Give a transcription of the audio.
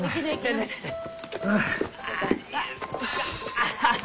アハハ！